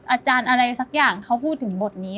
อาจารย์อะไรสักอย่างเขาพูดถึงบทนี้